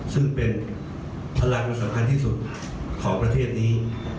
ซึ่งเป็นพลังสำคัญที่สุดของประเทศนี้